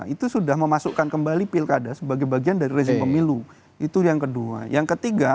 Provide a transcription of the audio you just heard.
itu sudah memasukkan kembali pilkada sebagai bagian dari rezim pemilu itu yang kedua yang ketiga